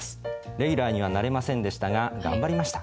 レギュラーにはなれませんでしたが、がんばりました。」